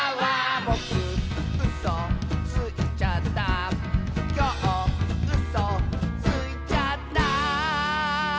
「ぼくうそついちゃった」「きょううそついちゃった」